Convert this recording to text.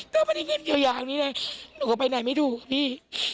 ถ้าไม่มีเงินเกี่ยวอย่างนี้น่ะหนูก็ไปไหนไม่ถูกอ่ะพี่